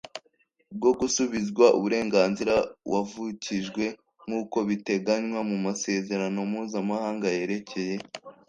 bwo gusubizwa uburenganzira wavukijwe nk uko biteganywa mu Masezerano Mpuzamahanga yerekeye